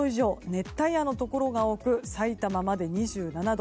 熱帯夜のところが多くさいたままで２７度。